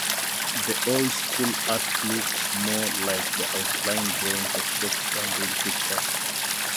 The "oldskool" art looks more like the outlined drawings of shapes than real pictures.